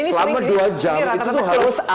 selama dua jam itu harus